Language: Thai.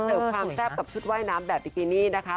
ความแซ่บกับชุดว่ายน้ำแบบบิกินี่นะคะ